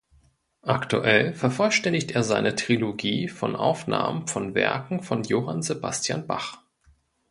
Aktuell vervollständigt er seine Trilogie von Aufnahmen von Werken von Johann Sebastian Bach.